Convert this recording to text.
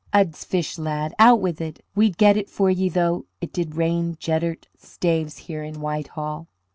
Ud's fish, lad, out with it; we'd get it for ye though it did rain jeddert staves here in Whitehall."